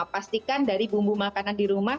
pastikan dari bumbu makanan di rumah